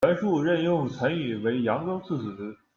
袁术任用陈瑀为扬州刺史。